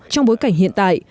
trong bối cảnh hiện tại